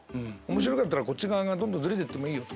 「面白かったらこっち側がどんどんずれてってもいいよ！